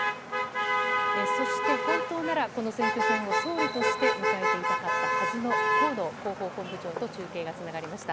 そして本当ならこの選挙戦を総理として迎えていたかったはずの河野広報本部長と中継がつながりました。